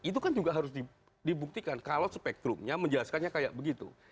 itu kan juga harus dibuktikan kalau spektrumnya menjelaskannya kayak begitu